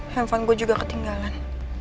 handphone gue juga ketinggalan